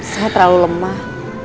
saya terlalu lemah